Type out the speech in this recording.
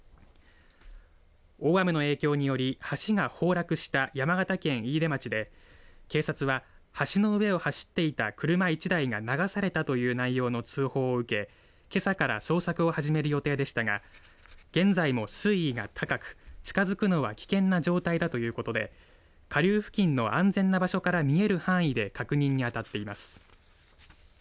大雨の影響により橋が崩落した山形県飯豊町で警察は橋の上を走っていた車１台が流されたという内容の通報を受け、けさから捜索を始める予定でしたが現在も水位が高く、近づくのは危険な状態だということで下流付近の安全な場所から見える範囲で確認にあたっています。